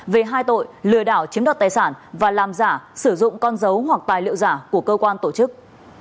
về hai tội lừa đảo chiếm đoạt tài sản và làm giả sử dụng con dấu hoặc tài liệu giả của cơ quan tổ chức